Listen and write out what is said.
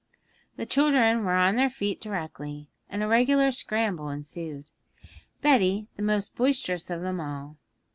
The children were on their feet directly, and a regular scramble ensued, Betty the most boisterous of them all.